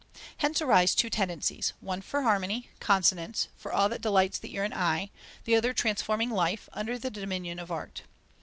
Hence arise two tendencies: one for harmony, consonance, for all that delights the ear and eye; the other transforming life, under the dominion of art.